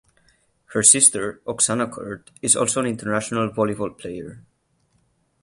Her sister Oksana Kurt is also an international volleyball player.